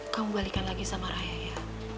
kamu balikan lagi sama raya ya